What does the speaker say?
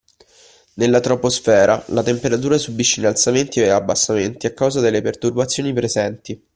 Nella troposfera la temperatura subisce innalzamenti e abbassamenti a causa delle perturbazioni presenti